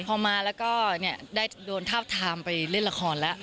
พอมาแล้วก็ได้โดนทาบทามไปเล่นละครแล้ว